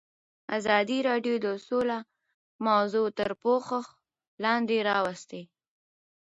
ازادي راډیو د سوله موضوع تر پوښښ لاندې راوستې.